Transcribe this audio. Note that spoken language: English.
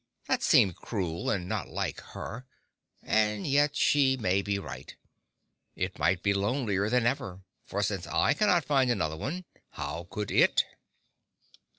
That seemed cruel and not like her; and yet she may be right. It might be lonelier than ever; for since I cannot find another one, how could it?